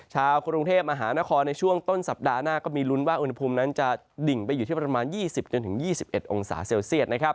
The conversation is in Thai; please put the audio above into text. ชาวกรุงเทพมหานครในช่วงต้นสัปดาห์หน้าก็มีลุ้นว่าอุณหภูมินั้นจะดิ่งไปอยู่ที่ประมาณ๒๐๒๑องศาเซลเซียต